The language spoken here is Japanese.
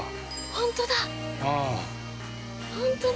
本当だ。